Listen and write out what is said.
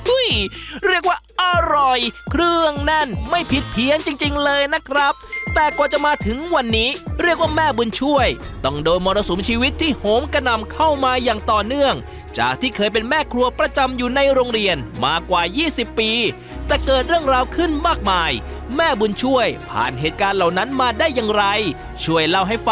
เรียกว่าอร่อยเครื่องแน่นไม่ผิดเพี้ยนจริงจริงเลยนะครับแต่กว่าจะมาถึงวันนี้เรียกว่าแม่บุญช่วยต้องโดนมรสุมชีวิตที่โหมกระหน่ำเข้ามาอย่างต่อเนื่องจากที่เคยเป็นแม่ครัวประจำอยู่ในโรงเรียนมากว่า๒๐ปีแต่เกิดเรื่องราวขึ้นมากมายแม่บุญช่วยผ่านเหตุการณ์เหล่านั้นมาได้อย่างไรช่วยเล่าให้ฝ